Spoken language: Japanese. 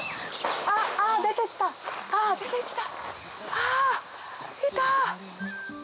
あいた。